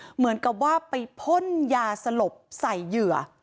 เหมือนกับว่าไปพ่นยาสลบใส่เหยื่อ